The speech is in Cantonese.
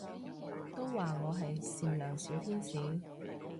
都話我係善良小天使